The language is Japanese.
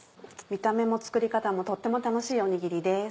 見た目も作り方もとっても楽しいおにぎりです。